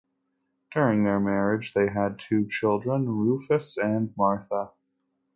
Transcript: During their marriage, they had two children, Rufus and Martha.